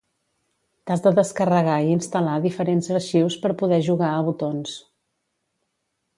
T'has de descarregar i instal·lar diferents arxius per poder jugar a Botons.